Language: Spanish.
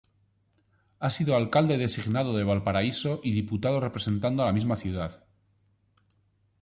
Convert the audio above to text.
Ha sido alcalde designado de Valparaíso y diputado representando a la misma ciudad.